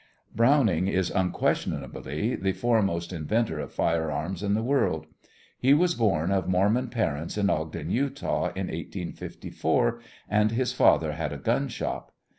Browning is unquestionably the foremost inventor of firearms in the world. He was born of Mormon parents, in Ogden, Utah, in 1854, and his father had a gun shop.